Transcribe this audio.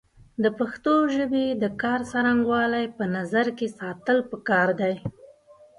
د پښتو ژبې د کار څرنګوالی په نظر کې ساتل پکار دی